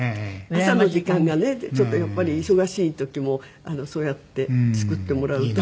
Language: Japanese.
朝の時間がねちょっとやっぱり忙しい時もそうやって作ってもらうと。